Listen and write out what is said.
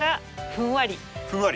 ふんわり。